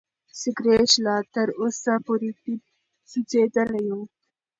سګرټ لا تر اوسه پورې نیم سوځېدلی و.